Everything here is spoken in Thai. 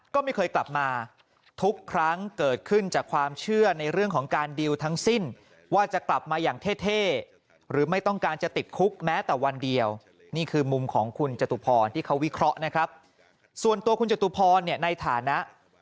ก่อนที่เขาวิเคราะห์นะครับส่วนตัวคุณเจตุพรเนี่ยในฐานะ